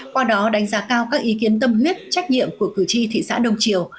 qua đó đánh giá cao các ý kiến tâm huyết trách nhiệm của cử tri thị xã đông triều